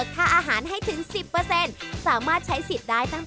ได้ทานอาหารแบบะชาวร้ำด้านเดิมโบราณจริง